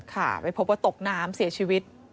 ค่ะไปพบว่าตกน้ำเสียชีวิต